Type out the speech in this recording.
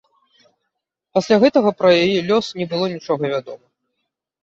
Пасля гэтага пра яе лёс не было нічога вядома.